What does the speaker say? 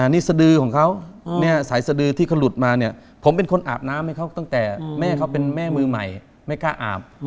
นี่สดือของเขาเนี่ยสายสดือที่เขาหลุดมาเนี่ยผมเป็นคนอาบน้ำให้เขาตั้งแต่แม่เขาเป็นแม่มือใหม่ไม่กล้าอาบ